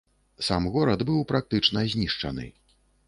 Сам горад быў практычна знішчаны.